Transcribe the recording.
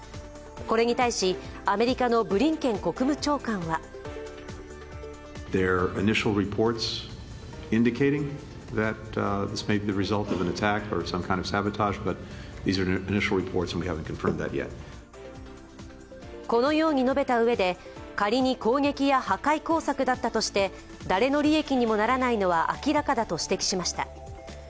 これに対し、アメリカのブリンケン国務長官はこのように述べたうえで仮に攻撃や破壊工作だったとして誰の利益にもならないのは明らかだと指摘しました。